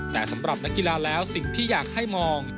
แต่สำหรับนักกีฬาแล้วสิ่งที่อยากให้มอง